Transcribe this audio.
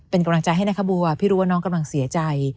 เป็นกำลังใจให้นะคะบัวพี่รู้ว่าน้องกำลังเสียใจ